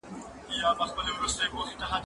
زه پرون سينه سپين کوم